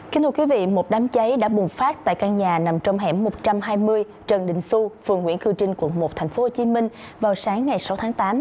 kính thưa quý vị một đám cháy đã bùng phát tại căn nhà nằm trong hẻm một trăm hai mươi trần đình xu phường nguyễn cư trinh quận một tp hcm vào sáng ngày sáu tháng tám